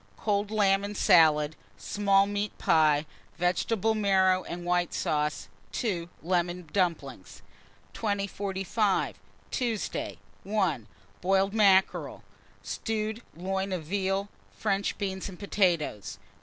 Cold lamb and salad, small meat pie, vegetable marrow and white sauce. 2. Lemon dumplings. 2045. Tuesday. 1. Boiled mackerel. 2. Stewed loin of veal, French beans and potatoes.